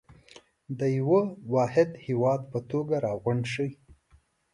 د يوه واحد هېواد په توګه راغونډ شئ.